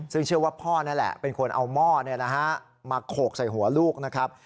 ซึ่งเชื่อว่าพ่อนั่นแหละเป็นคนเอาหม้อมาโขกใส่หัวลูกนะครับ